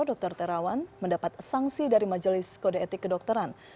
dr terawan mendapat sanksi dari majelis kode etik kedokteran